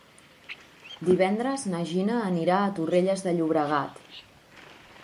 Divendres na Gina anirà a Torrelles de Llobregat.